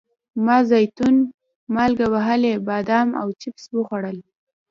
ما زیتون، مالګه وهلي بادام او چپس وخوړل.